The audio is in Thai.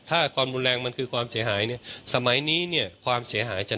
ถ้าความรุนแรงมันคือความเสียหายเนี่ยสมัยนี้เนี่ยความเสียหายจะ